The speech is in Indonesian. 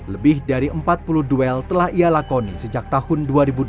lebih dari empat puluh duel telah ia lakoni sejak tahun dua ribu dua belas